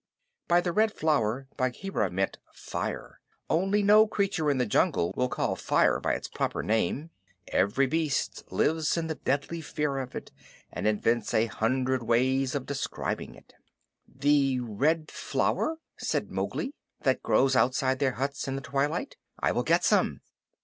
By Red Flower Bagheera meant fire, only no creature in the jungle will call fire by its proper name. Every beast lives in deadly fear of it, and invents a hundred ways of describing it. "The Red Flower?" said Mowgli. "That grows outside their huts in the twilight. I will get some."